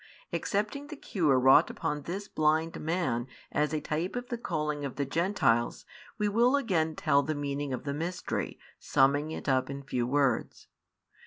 Accepting the cure wrought upon this blind man as a type of the calling of the Gentiles, we will again tell the meaning of the mystery, summing it up in few words.